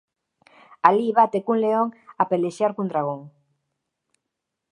Alí bate cun león a pelexar cun dragón.